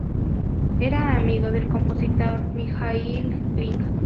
Era amigo del compositor Mijaíl Glinka.